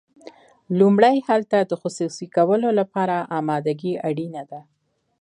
لومړی هلته د خصوصي کولو لپاره امادګي اړینه ده.